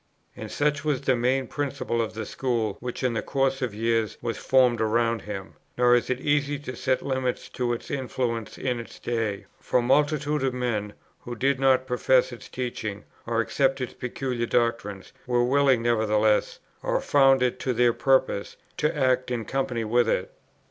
And such was the main principle of the school which in the course of years was formed around him; nor is it easy to set limits to its influence in its day; for multitudes of men, who did not profess its teaching, or accept its peculiar doctrines, were willing nevertheless, or found it to their purpose, to act in company with it.